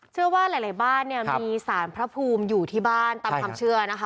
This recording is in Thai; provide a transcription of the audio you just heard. เชื่อว่าหลายบ้านเนี่ยมีสารพระภูมิอยู่ที่บ้านตามความเชื่อนะคะ